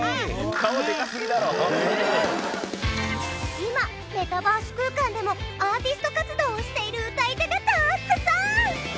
今メタバース空間でもアーティスト活動をしている歌い手がたくさん！